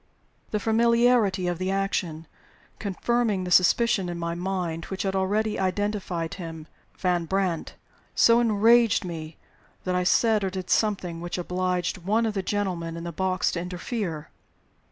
The familiarity of the action confirming the suspicion in my mind which had already identified him with Van Brandt so enraged me that I said or did something which obliged one of the gentlemen in the box to interfere.